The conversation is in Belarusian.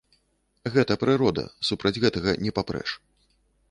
Гэта прырода, супраць гэтага не папрэш.